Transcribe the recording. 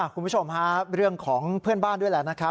คุณผู้ชมฮะเรื่องของเพื่อนบ้านด้วยแหละนะครับ